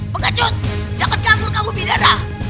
penggecut jangan kabur kamu bidara